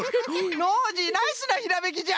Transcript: ノージーナイスなひらめきじゃ！